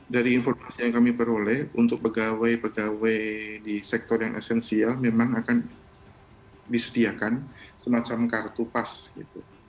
dari informasi yang kami peroleh untuk pegawai pegawai di sektor yang esensial memang akan disediakan semacam kartu pas gitu